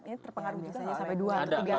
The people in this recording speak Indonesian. ini terpengaruhi juga sampai dua atau tiga hari